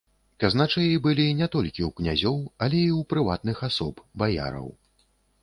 Казначэі былі не толькі ў князёў, але і ў прыватных асоб, баяраў.